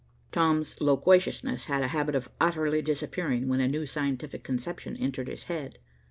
Tom's loquaciousness had a habit of utterly disappearing, when a new scientific conception entered his head.